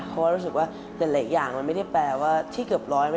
เพราะรู้สึกว่าเรียนหลายอย่างที่กลับร้อยไม่ได้แปลว่าเราก็เราได้แชมป์